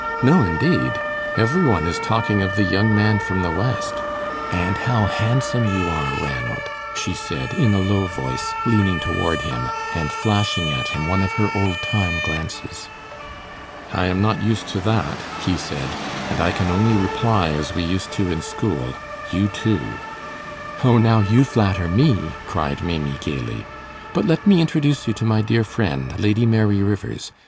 "No, indeed. Every one is talking of the young man from the West. And how handsome you are, Ranald," she said, in a low voice, leaning toward him, and flashing at him one of her old time glances. "I am not used to that," he said, "and I can only reply as we used to in school, 'You, too.'" "Oh, now you flatter me," cried Maimie, gayly; "but let me introduce you to my dear friend, Lady Mary Rivers.